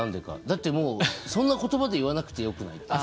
だってもうそんな言葉で言わなくてよくないって。